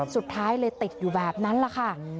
สุดท้ายเลยติดอยู่แบบนั้นแหละค่ะ